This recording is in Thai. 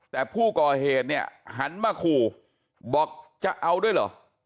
แต่ผู้ก่อเหตุเนี่ยหันมาขู่บอกจะเอาด้วยเหรอ